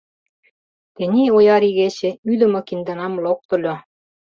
Тений ояр игече ӱдымӧ киндынам локтыльо.